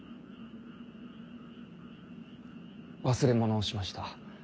忘れ物をしました。